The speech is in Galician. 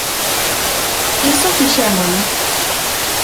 Iso fixémolo.